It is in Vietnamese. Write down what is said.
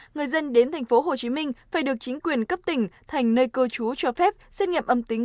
người dân đến tp hcm phải được chính quyền cấp tỉnh thành nơi cư trú cho phép xét nghiệm âm tính